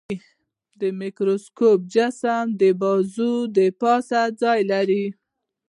د مایکروسکوپ جسم د بازو د پاسه ځای لري.